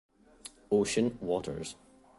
Ocean waters.